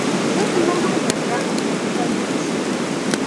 Гэта нармальная практыка ў палітыцы.